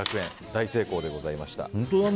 大成功でございました。